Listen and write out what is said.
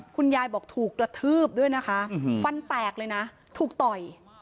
คุณยายบอกถูกกระทืบด้วยนะคะฟันแตกเลยนะถูกต่อย